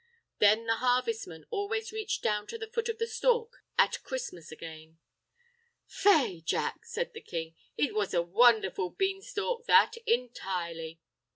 Then the harvestmen always reached down to the foot of the stalk at Christmas again." "Faix, Jack," says the king, "it was a wondherful beanstalk, that, entirely."